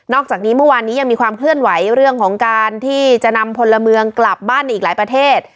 อกจากนี้เมื่อวานนี้ยังมีความเคลื่อนไหวเรื่องของการที่จะนำพลเมืองกลับบ้านในอีกหลายประเทศ